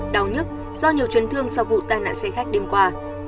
đau nhất do nhiều chấn thương sau vụ tai nạn xe khách đêm qua